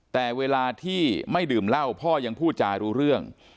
แต่เวลาที่ไม่ดื่มเหล้าพ่อยังพูดจารู้เรื่อง